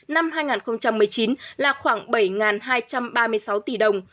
năm hai nghìn một mươi chín là khoảng bảy hai trăm ba mươi sáu tỷ đồng